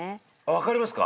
わかりますか？